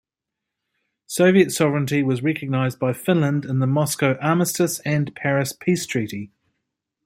Soviet sovereignty was recognized by Finland in the Moscow Armistice and Paris Peace Treaty.